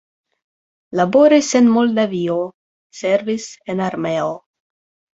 Laboris en Moldavio, servis en armeo.